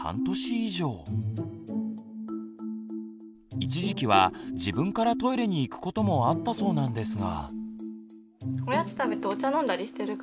一時期は自分からトイレに行くこともあったそうなんですが。